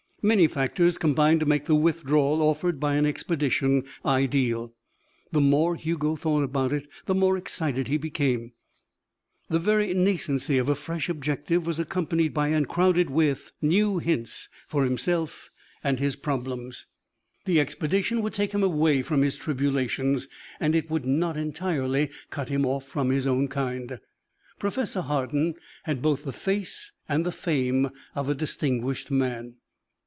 Many factors combined to make the withdrawal offered by an expedition ideal. The more Hugo thought about it, the more excited he became. The very nascency of a fresh objective was accompanied by and crowded with new hints for himself and his problems. The expedition would take him away from his tribulations, and it would not entirely cut him off from his kind: Professor Hardin had both the face and the fame of a distinguished man.